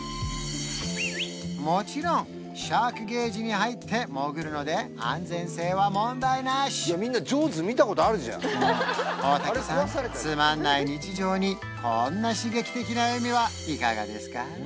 もちろんシャークゲージに入って潜るので安全性は問題なしいやみんな大竹さんつまんない日常にこんな刺激的な海はいかがですか？